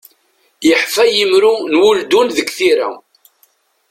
Yeḥfa yimru n uldun deg tira.